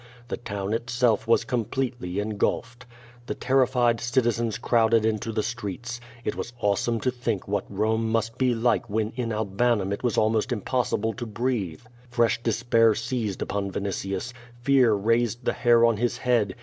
The town itself was completely engulfed. The terrified citizens crowded into the streets. It was awe some to think what Bome must be like when in Albanum it was almost impossible to breathe. Fresh despair seized upon Vinitius. Fear raised the hair on his head.